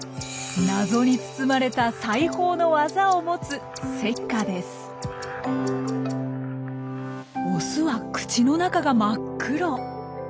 謎に包まれた裁縫の技を持つオスは口の中が真っ黒。